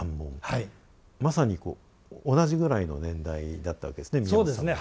まさに同じぐらいの年代だったわけですね宮本さんも。